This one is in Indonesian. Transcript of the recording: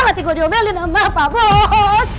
nanti gue diomelin sama pak bos